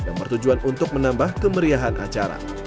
yang bertujuan untuk menambah kemeriahan acara